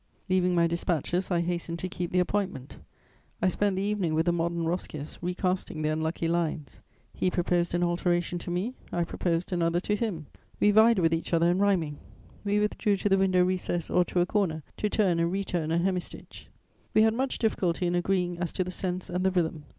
Leaving my dispatches, I hastened to keep the appointment; I spent the evening with the modern Roscius recasting the unlucky lines. He proposed an alteration to me, I proposed another to him; we vied with each other in rhyming; we withdrew to the window recess or to a corner to turn and re turn a hemistich. We had much difficulty in agreeing as to the sense and the rhythm.